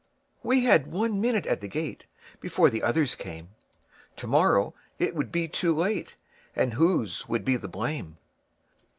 We had one minute at the gate, Before the others came; To morrow it would be too late, And whose would be the blame!